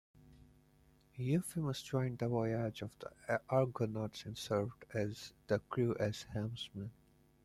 Euphemus joined the voyage of the Argonauts, and served the crew as helmsman.